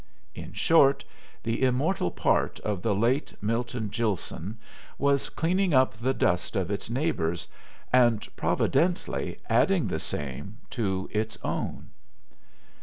In short, the immortal part of the late Milton Gilson was cleaning up the dust of its neighbors and providently adding the same to its own.